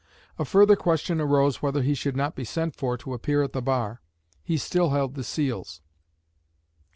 A further question arose whether he should not be sent for to appear at the bar. He still held the seals.